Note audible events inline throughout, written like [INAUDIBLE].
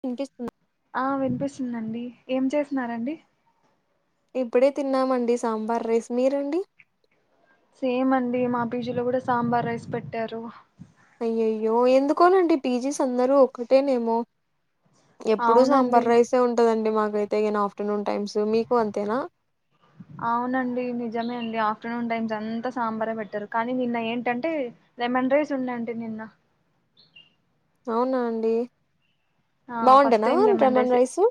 వినిపిస్తుందా ఆ వినిపిస్తుందండి ఏం చేస్తున్నారండి ఇప్పుడే తిన్నామండి సాంబార్ రైస్ మీరండి సేమ్ అండి మా పీజీలో కూడా సాంబార్ రైస్ పెట్టారు అయ్యయ్యో ఎందుకోనండి పీజీస్ అందరూ ఒక్కటేనేమో ఎప్పుడు అవునండి సాంబార్ రైసే ఉంటదండి మా అయితేగిని ఆఫ్టర్నూన్ టైమ్స్ మీకు అంతేనా అవునండి నిజమే అండి ఆ ఆఫ్టర్నూన్ టైమ్స్ అంతా సాంబారే పెట్టారు కానీ నిన్న ఏంటంటే లెమన్ రైస్ ఉన్నాయంటండి నిన్న అవునా అండి ఫస్ట్ బాగుంటేనా టైం లెమన్ రైసే రైస్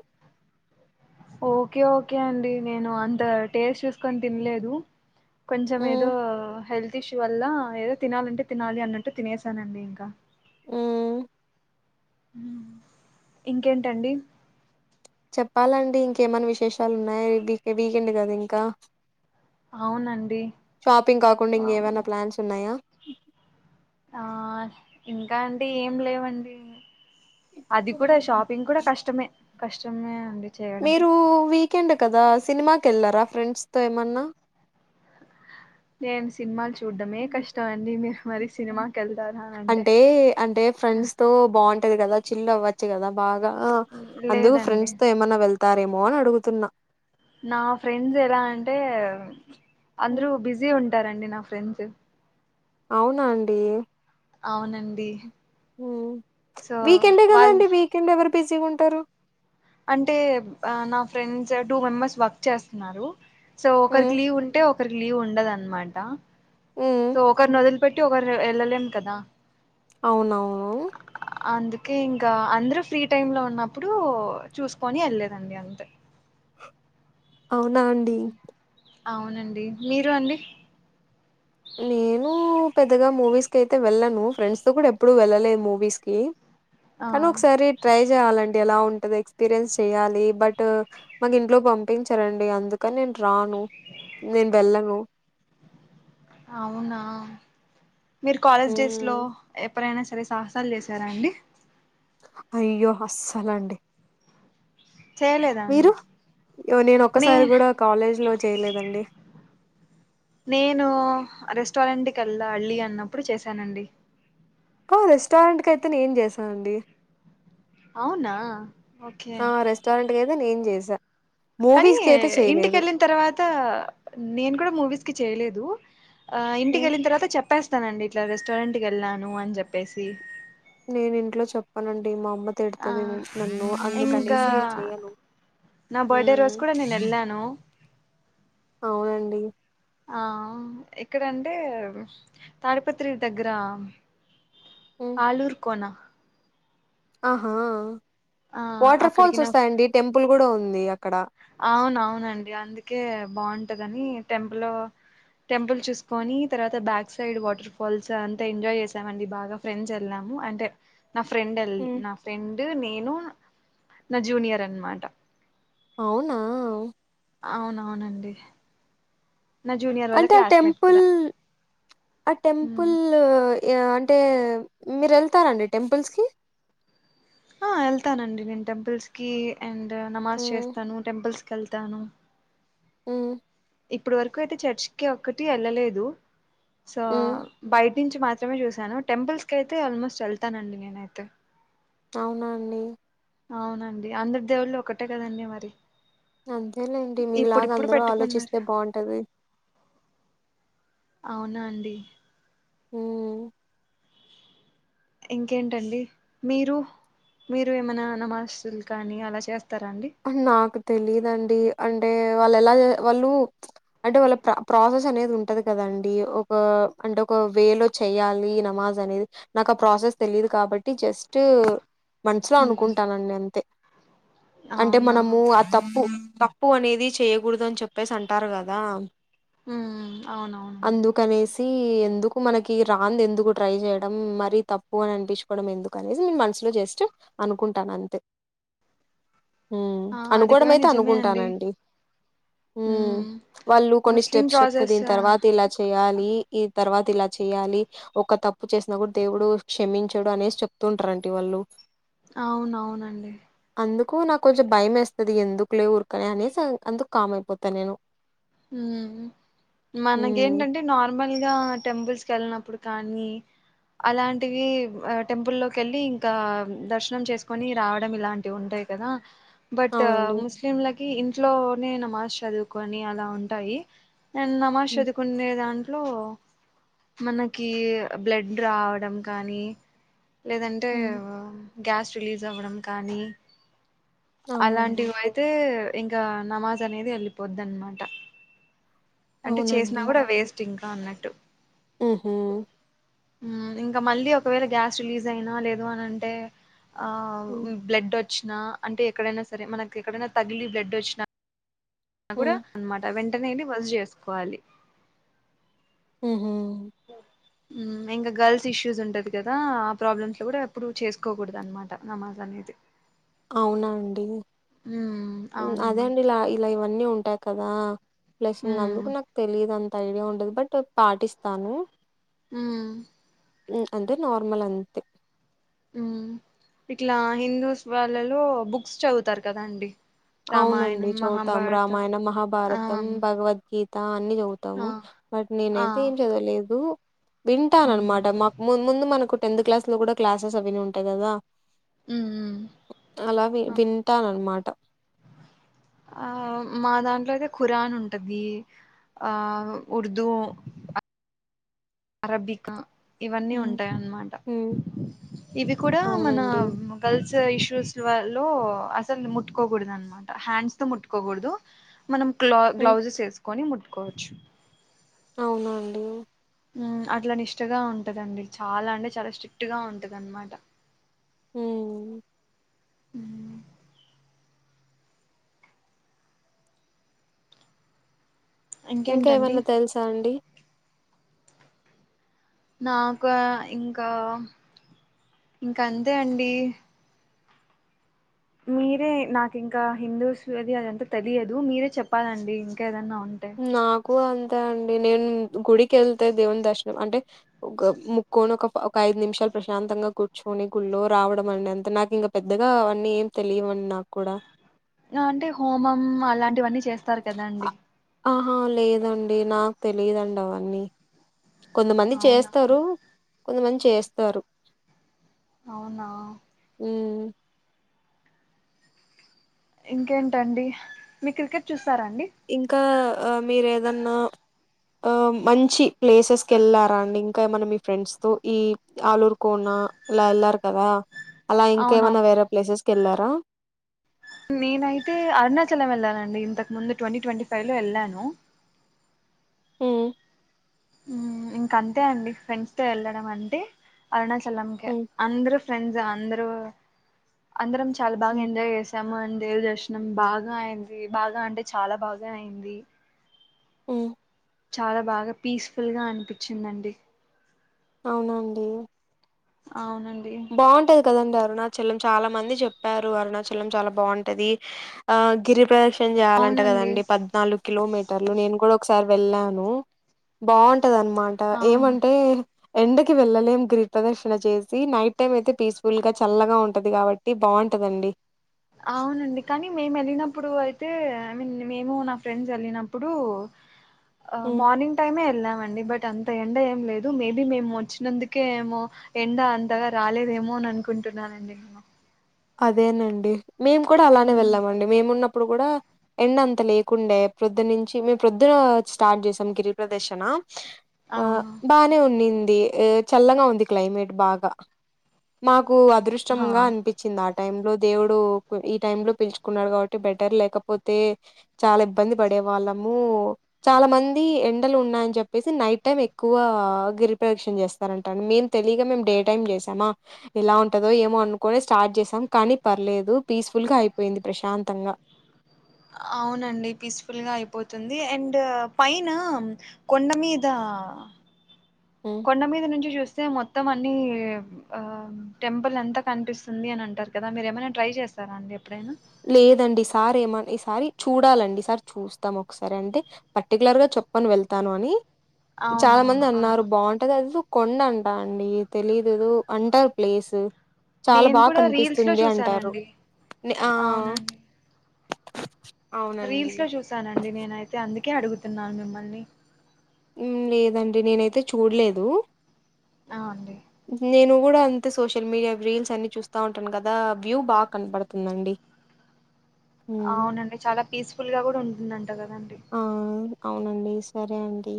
ఓకే ఓకే కే అండి నేను అంత టేస్ట్ చూసుకొని తినలేదు కొంచం మ్మ్ ఏదో హెల్ తిష్ వల్ల ఏదో తినాలంటే తినాలి అన్నట్టు తినేశానండి ఇంకా మ్మ్ మ్ ఇంకేంటండి చెప్పాలండి ఇంకేమన్నా విశేషాలు ఉన్నాయి వీకెండ్ కదా ఇంకా అవునండి షాపింగ్ కాకుండా ఆ, ఇంకేమైనా ప్లాన్స్ ఉన్నాయా ఆ ఇంకా అంటే ఏం లేవండి అది కూడా షాపింగ్ కూడా కష్టమే కష్టమే అండి చేయడం మీరు వీకెండ్ కదా సినిమాకెళ్లరా ఫ్రెండ్స్ తో ఏమన్నా ఏంస్ సినిమాలు చూడడమే కష్టం అండి మీరు మరి సినిమాకెళ్తారా అంటే అంటే ఫ్రెండ్స్‌తో [UNINTELLIGIBLE] చిల్ అవ్వచ్చు కదా బా ఆ అందుకు లేదండి ఫ్రెండ్స్ తో ఏమన్నా వెళ్ తారేమో అనడుగుతున్నా నా ఫ్రెండ్స్ ఎలా అంటే హ్మ్. అందురూ బిజీ ఉం టారండి నా ఫ్రెండ్స్ అవునా అండి అవునండి ఉ సో వీకెండే కదా వాళ్ళు అండి వీకెండ్ ఎవరు బిజీగుంటారు అంటే నా ఫ్రెండ్స్ టూ మెంబర్స్ వర్క్ చేస్తున్నారు సో ఒకరికి హ్మ్. లీవ్ ఉంటే ఒ లీవ్ ఉండదన్నమాట హ్మ్. సో ఒకర్న్ వదిలి పెట్టి ఒకరు వె వెళ్ళలేం కదా అవునవును అందుకే ఇంకా అందరు ఫ్రీ టైమ్ లో ఉన్నప్పుడు చూసుకొని వెళ్ళేదండి అంతే అవునా అండి అవునండి మీరు అండి నేను పెద్దగా మూవీస్కి అయితే వెళ్ళను ఫ్రెండ్స్తో కూడా ఎప్పుడూ వెళ్ళలేదు మూవీస్కి ఆ కాన్ ఒకసారి ట్రై చేయాలండి ఎలా ఉంటుంది ఎక్స్పీరియన్స్ చేయాలి బట్ మాకు ఇంట్లో పంపించారండి అందుక నేను రాను నేను వెళ్ళను అవునా మీరు కాలేజ్ డేస్ హ్మ్. లో ఎప్పుడైనా సరే సాహసాలు చేసారా అండి అయ్యో అస్సలండి చేయలేదా అండి మీరు? యో నేను నే ఒక్కసారి గూడా కాలేజ్‌లో చేయలేదండి. నేను అరెస్ట్ రెస్టారెంట్ కి ఎల్లాలి అన్నప్పుడు చేశానండి ఆ రెస్టారెంట్ కయితే నేన్ చేసానండి అవునా ఓకే అయితే నేన్ చేస కానీ ఇంటికెళ్ళిన తర్వాత నేను కూడ మూవీస్ చేయలేదు ఆ హ్మ్. ఇంటికెళ్ళిన తర్వాత చెప్ చెప్పేస్తానండి ఇట్లా రెస్టారెంట్కి ఎళ్ళాను అని చెప్పేసి నేను ఇంట్లో చెప్పనండి మా అమ్మ ఆ తిడతదేమో నన్ను ఇంకా అందుకనేసి నేను చేయను నా బర్త్డే రోజు కూడా నేను వెళ్ళాను అవునండి ఆ ఎక్కడ అంటే తాడిపత్రి దగ్గర హ్మ్. ఆలూరు కోణ ఆహా ఆ వాటర్ అక్కడికి ఫాల్స్ నా వస్తాయండి టెంపుల్ కూడా ఉంది అక్కడ అవున అవునండి అందుకే బాగుంటదని టెంపులొ టెంపుల్ చూసుకొని తర్వాత బ్యాక్ సైడ్ వాటర్ ఫాల్స్ అంతా ఎంజాయ్ చేసామండి బాగా ఫ్రెండ్స్ వెళ్ళాము అంటే నా ఫ్రెండ్ ఎల్ హ్మ్. నా ఫ్రెండు నేను నా జూనియర్ అన్మాట అవునా అవునవునండి నా జూనియర్ వాళ్ళ అంటే ఆ క్లాస్మేట్ టెంపుల్ కూడా ఆ టెంపుల్ యా అంటే మీరు ఎళ్తారండి టెంపుల్స్కి ఆ వెళ్తానండి నేను టెంపుల్స్ కి అండ్ నమాజ్ హ్మ్. చేస్తాను టెంపుల్స్కి వెళ్తాను హ్మ్ ఇప్పుడు వరకు అయితే చర్చికిి ఒక్కటి వెళ్ళలేదు సో హ్మ్ బయ నుంచి మాత్రమే చూశాను టెంపుల్స్ క అయితే ఆల్మోస్ట్ వెళ్తాన అండి నేనైతే అవునా అండి అవునండి అందరి దేవుళ్ళు ఒక్కటే కదండి మరి అంతేలేండి మీలాగ ఇప్పుడిప్పుడు అందరు పెట్టుకున్నారు ఆలోచిస్తే బాంటది అవునా అండి హ్మ్ ఇంకేంటండి మీరు మీరు ఏమైనా అ నమాస్తులు కానీ అలా చేస్త నాకు తెలిదండి అంటే వాళ్ళు ఎలా వాళ్ళు అంటే వాళ్ళ ప్రాసెస్ అనేది ఉంటది కదాండి ఒక అంటే ఒక వే లో చెయాలి నమాజ్ అనేది నాకు ఆ ప్రాసెస్ తెలియదు కాబట్టి జస్ట్ మనసులో ఉమ్, అనుకుంటానండి అంతే అంటే అవునా మనము ఆ త ప్పు తప్పు అనేది చేయకూడదు అని చెప్పేసి అంటారు కదా హ్మ్ అవునవును ఎందుకు మనకి రాంది ఎందుకు ట్రై చేయడం మరి తప్పు అని అనిపించుకోవడం ఎందుకు అనే నేను మనసులో జస్ట్ అనుకుంటాను అంతే ఆ అది అనుకోవడం కూడా అయితే నిజమే అండి అనుకుంటానండి హ్మ్ ఉమ్ వాళ్ళు కొన్ని ముస్లిం స్టెప్స్ చెప్తే ప్రాసెస్ దీని తర్వాత ఇలా చేయాలి ఇ తర్వాత ఇలా చేయాలి ఒక తప్పు చేసినా కూడా దేవుడు క్షమించడు అనేసి చెప్తుంటారుంట వాళ్ళు అవున అవునండి అందుకు నాకు కొంచెం భయం వేస్తది ఎందుకు లే ఊరుకనే అనేసి అందుకు కామ్ అయిపోతాను నేను హ్మ్. మనకేంటంటే నార్మల్ గా టెంపుల్స్ కెళ్ళినప్పుడు కానీ అలాంటివి టెంపుల్ లోకి వెళ్ళి ఇంకా దర్శనం చేసుకొని రావడం ఇలాంటివి ఉంటాయి కదా బట్ అవునండి. ముస్లిం లక్ ఇంట్లోనే నమాజ్ చదువుకొని అలా ఉంటాయి నేను నమాష్ హ్మ్. చదువుకునేదా ఇట్ లో మనకి బ్లడ్ రావడం కానీ లేదంటే హ్మ్. గ్యాస్ రిలీజ్ అవ్వడం కానీ అవునండి. అలాంటివి అయితే ఇంకా నమాజ్ అనేది వెళ్ళిపోద్ అనమాట ట అంటే చేసినా కూడా వే టి ఇంకా ఉన్నట్టు ఉ హు ఇంకా మళ్ళీ ఒకవేళ గ్యాస్ రిలీజ్ అయినా లేదు అనింటే ఆ హ్మ్. బ్లడ్ వచ్చినా అంటే ఎక్కడైనా సరే మనకి ఎక్కడైనా తగిలి బ్లడ్ వచ్చినా అప్పుడు హ్మ్. అనమాట వెంట నేను వెళ్లి వస చేసుకోవాలి ఉహు ఇంకా గర్ల్స్ ఇష్యూస్ ఉంటది కదా ఆ ప్రాబ్లమ్స్ లో కూడా ఎప్పుడు చేసుకోకూడదు అనమాట నమాజ్ అనేది అవునా అండి మ్మ్ అదే అవునండి అండి ఇలా ఇలా అన్నీ ఉంటాయి కదా ప్లెస్సింగ్ మ్మ్ అందుకు నాకు తెలియదన్ ఐడియా ఉండదు బట్ పాటిస్తాను ఊ ఊ అంతే నార్మల్ అంతే ఊ ఇట్లా హిందూస్ వాళ్ళలో బుక్స్ చదువుతారు కదా అండి అవునండి రామాయణం చదువుతాము మహాభారతం రామాయణం ఆ మహాభారతం భగవద్గీత అన్ని ఆ చదువుతాము బట్ ఆ నేనైతే ఏం చదవలెదు మ్మ్ వింటాననమాట మాకు ము ముందు మనకు టెన్త్ క్లాస్ లో కూడా క్లసేస్ అవి ఉంటాయి కదా మ్మ్ అలా వి వింటానన్నమాట ఆ మా దాంట్లో అయితే ఖురాన్ ఉంటది ఆ ఉర్దూ అరబ్బిక ఇవన్నీ హ్మ్. ఉంటాయన్నమాట హ్మ్. ఇవి కూడా మన అవునండి. గల్స్ ఇష్యూస్ వల్లో అసలు ముట్టుకోకూడదు అన మాట హ్యాండ్స్ తో ముట్టుకోకూడదు మనం క్లౌ హ్మ్. గ్లౌజెస్ వేసు కొని ముట్టుకోవచ్చు అవునా అండి ఊ అట్లా నిష్టగా ఉంటదండి చాలా అంటే చాలా స్ట్రిక్ట్ గా ఉంటది అన్నమాట ఊ ఊ ఇంకా ఇంకేంటండి ఏమన్నా తెలుసా అండి నాక ఇంకా ఇంకా అంతే అండి మీరే నాకు ఇంకా హిందూస్ అది అదంతా తెలియదు మీరే చెప్పాలండి ఇంకా ఏదన్నా ఉంటే నాకు అంతే అండి నేను గుడికి వెళ్తే దేవుని దర్శనం అంటే ఒక ముక్కొని ఒక ఒక ఐదు నిమిషాలు ప్రశాంతంగా కూర్చుని గుళ్లో రావడం అడి అంత నాకు ఇంకా పెద్దగా అవన్నీ ఏం తెలియవ నాకు కూడా ఇంకా అంటే హోమం అలాంటివన్నీ చేస్త తార కదాండి అ లేదండి నాకు తెలియదండి అవన్నీ కొంతమంది అవునా చేస్తారు కొంతమంది చేస్తారు అవునా హుమ్ ఇంకేంటండి మీ క్రికెట్ చూస్ ఇంకా ఆ మీరు ఏదన్నా ఆ మంచి ప్లేసెస్ కెళ్లారా అండి ఇంకా ఏమైన్నా మీ ఫ్రెండ్స్ తో ఈ ఆలూరు కోన ఇలా ఎళ్లారు కదా అలా అవునా ఇంకేమన్నా వేరే ప్లేసెస్ కెల్లారా నేనైతే అరుణాచలం వెళ్ళానండి ఇంతకు ముందు ట్వంటీ ట్వంటీ ఫైవ్ లో ఎళ్ళాను హుమ్ ఇంక అంతే అండి ఫ్రెండ్స్ తో ఎళ్ళడం అంటే అరుణ చలం కే మ్మ్ అందరు ఫ్రెండ్స్ అందరు ఆ అందరం చాలా బాగా ఎంజాయ్ చేసాము అం దేవ దర్శనం బాగా అయింది బాగా అంటే చాలా బాగా అయింది హుమ్ చాలా బాగా పీస్ఫుల్ గా అనిపించిందండి అవునండి అవున బాగుంటది కదండి ఆ అరుణాచలం చాలా మంది చెప్పారు అరుణాచలం చాలా బాగుంటది ఆ గిరి ప్రద్ చేయాలంట అవునండి కదండి పద్నాలుగు కిలోమీటర్ నేను కూడ ఒకసారి వెళ్ళాను బాగ్ టదనమాట అవును ఏమంటే ఎండక్ వెళ్ళలేం గిరి ప్రదర్శన చేసి నైట్ టైం అయితే పీస్ఫుల్ గా చల్లగా ఉంటది కాబట్టి బాగుంటదండి అవునండి కానీ మేము వెళ్ళినప్పుడు అయితే ఐ మీన్ మేము నా ఫ్రెండ్స్ వెళ్ళినప్పుడు హ్మ్ మార్నింగ్ టైమే ఎల్లమండి అ బట్ అంత ఎండ ఏం లేదు మేబీ మేము వచ్చినందుకే ఏమో ఎండ అంతగా రాలేదేమోనన్ అనుకుంటున్నానండి అదేనండి మేము కూడా అలానే హ్మ్. వెళ్ళమండి మేమున్న ఇప్పుడు కూడా ఎండ అంత లేకుండే ప్రొద్దు నుంచి మేము ప్రొద్దున స్టార్ట్ చేసాం గిరి ప్రదర్శన ఆ అవును బానే ఉన్నింది ఎ చల్లగ ఉంది క్లైమేట్ బాగా కు హా అదృష్టంగా అనిపించింది ఆ టై లో దేవుడు ఈ టైమ్ లో పిలుచుకున్నాడు కాబట్టి బెటర్ లేకపోతే చాలా ఇబ్బంది పడే వాళ్ళము చాలా మంది ఎండలు ఉన్నాయని చెప్పేసి నైట్ టైం ఎక్కువ గిరిపదక్షన చేస్తారంటా మేమ్ తెలియక మేమ్ డే టైమ్ చేసామా ఎలా ఉంటదో ఏమో అనుకునే స్టార్ట్ చేసాం కానీ పర్లేదు పీస్ఫుల్ గా అయిపోయింది ప్రశాంతంగా అవునండి పీస్ఫుల్గా అయిపోతుంది అండ్ పైన కొండ మీద హ్మ్. కొండ మీద నుంచి చూస్తే మొ మొత్తం అన్ని ఆ టెంపుల్ ఎంత కనిపిస్తుంది అని అంటారు కదా మీరు ఏమైనా ట్రై చేసారా అండి ఎప్పుడైనా లేదండి సార్ ఏమ ఈ సారి చూడాలండి ఈ సారి చూస్తాం ఒకసారి అంటే పర్టికులర్ గా చెప్పను వెళ్తాను అని చాలా మంది అవునవును ఆ అన్నారు బాగుంటది అది కొండంటా అండి తెలీదుదు అంటర్ ప్లేస్ చాలా నేను బాగా కూడా రీల్స్ లో కనిపిస్తుంది అంటారు చూసానండి ఆ అవునండి అవునండి రీల్స్ లో చూసానండి నేనైతే అంద కే అడుగుతున్నారు మిమ్మల్ని లేదండి నేనైతే చూడలేదు ఆ అండి నేను కూడా అంతే సోషల్ మీడియా రీల్స్ అన్ని చూస్తా ఉంటాను కదా వ్యూ బాగా కనపడుతుందండి హ్మ్. అవునండి చాలా పీస్ఫుల్ గా కూడా ఉంటుంద ంట కదండి ఆ అవునండి సరే అండి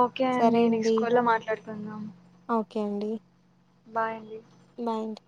ఓకే సరే అండి నెక్స్ట్ కాల్ లో మాట్లాడుకుందాం కేండి బాయ్ అండి మైండ్